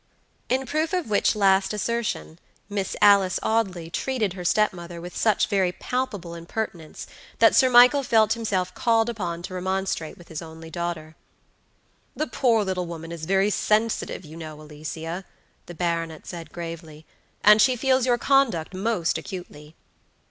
In proof of which last assertion Miss Alicia Audley treated her stepmother with such very palpable impertinence that Sir Michael felt himself called upon to remonstrate with his only daughter. "The poor little woman is very sensitive, you know, Alicia," the baronet said, gravely, "and she feels your conduct most acutely."